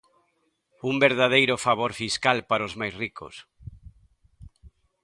Un verdadeiro favor fiscal para os máis ricos.